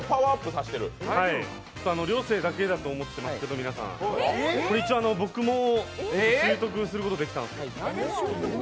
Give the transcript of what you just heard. りょうせいだけだと思ってますけど、皆さん、一応僕も習得することできたので。